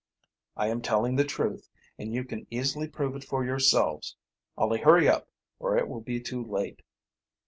"I am telling the truth, and you can easily prove it for yourselves. Only hurry up, or it will be too late."